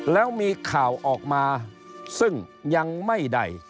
แล้วมีข่าวออกมาซึ่งยังไม่ได้